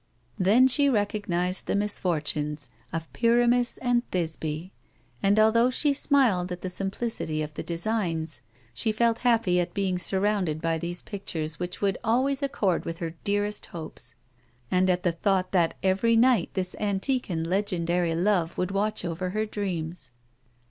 Then she recognised the mis fortunes of Pyramis and Thisbe ; and, although she smiled at the simplicity of the designs, she felt happy at being surrounded by these pictures which would always accord with her dearest hopes ; and at the thought that ever}' night this antique and legendary love would watch over her dreams.